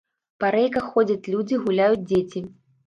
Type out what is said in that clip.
Па рэйках ходзяць людзі, гуляюць дзеці.